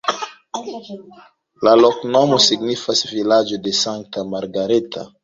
La loknomo signifas vilaĝo-de-Sankta Margareta.